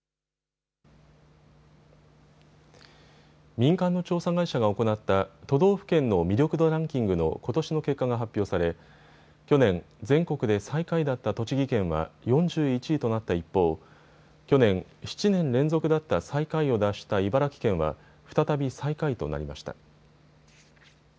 民間の調査会社が行った都道府県の魅力度ランキングのことしの結果が発表され去年、全国で最下位だった栃木県は４１位となった一方、去年、７年連続だった最下位を脱した茨城県は再び最下位となりました。